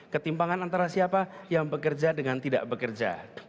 ketimpangan antara siapa yang bekerja dengan tidak bekerja